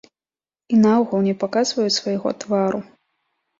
І наогул не паказваюць свайго твару.